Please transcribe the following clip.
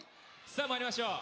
さあまいりましょう。